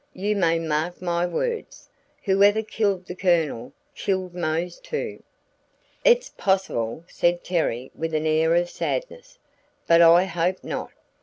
You may mark my words; whoever killed the Colonel, killed Mose, too." "It's possible," said Terry with an air of sadness, "but I hope not.